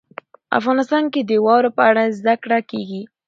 افغانستان کې د واوره په اړه زده کړه کېږي.